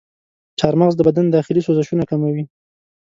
چارمغز د بدن داخلي سوزشونه کموي.